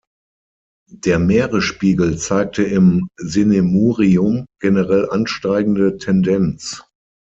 Der Meeresspiegel zeigte im Sinemurium generell ansteigende Tendenz.